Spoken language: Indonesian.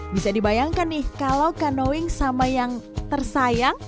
bisa dibayangkan nih kalau canowing sama yang tersayang